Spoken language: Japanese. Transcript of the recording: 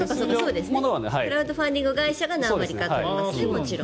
クラウドファンディングの会社が一部取りますね。